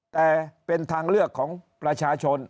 แต่เป็นทางเลือกของประชาชน